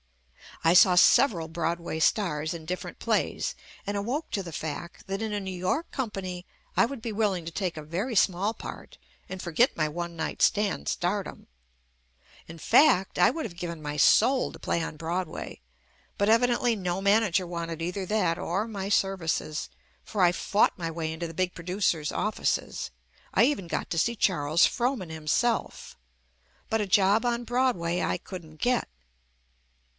I saw several Broadway stars in different plays and awoke to the fact that in a New York com pany I would be willing to take a very small part and forget my one night stand stardom. In fact, I would have given my soul to play on Broadway, but evidently no manager wanted JUST ME either that or my services, for I fought my way into the big producers' offices (I even got to see Charles Frohman himself) but a job on Broadway I couldn't get.